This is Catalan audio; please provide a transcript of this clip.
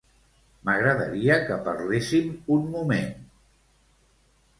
M'agradaria que parlessim un moment.